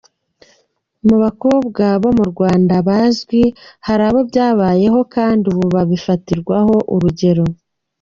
Mu bakobwa bo mu Rwanda bazwi, hari abo byabayeho kandi ubu bafatirwaho urugero.